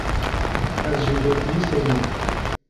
Ez ji Bedlîsê me.